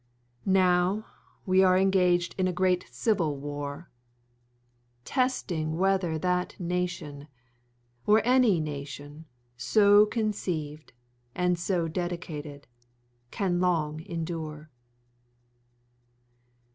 Now we are engaged in a great civil war. . .testing whether that nation, or any nation so conceived and so dedicated. .. can long endure.